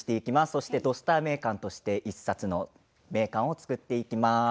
そして「土スター名鑑」として１冊の名鑑を作っていきます。